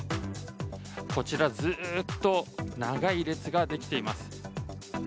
こちら、ずっと長い列ができています。